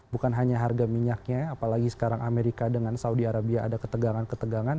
bukan hanya harga minyaknya apalagi sekarang amerika dengan saudi arabia ada ketegangan ketegangan